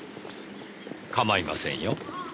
構いませんよ。